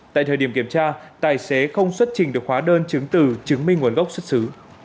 tại thời điểm kiểm tra tài xế không xuất trình được hóa đơn chứng từ chứng minh nguồn gốc xuất xứ